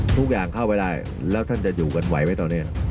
ทุกอย่างเข้าไปได้แล้วท่านจะอยู่กันไหวไว้ตอนนี้